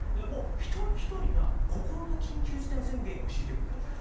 もう一人ひとりが心の緊急事態宣言を敷いてくれと。